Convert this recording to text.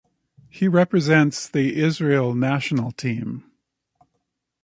He represents the Israel national team.